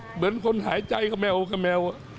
เหมือนคนหายใจกับแมวกับแมว